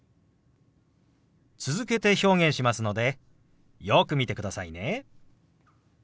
続けて表現しますのでよく見てくださいね。